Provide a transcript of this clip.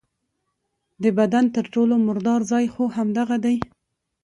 د بدن تر ټولو مردار ځای خو همدغه دی.